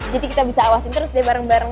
jadi kita bisa awasin terus deh bareng bareng